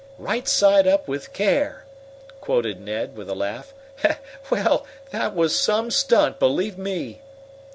"Right side up with care!" quoted Ned, with a laugh. "Well, that was some stunt believe me!"